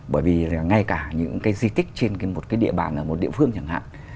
bởi vì ngay cả những cái di tích trên một cái địa bàn ở một địa phương chẳng hạn